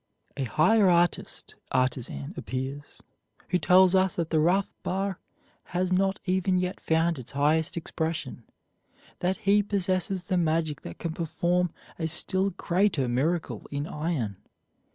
A higher artist artisan appears, who tells us that the rough bar has not even yet found its highest expression; that he possesses the magic that can perform a still greater miracle in iron.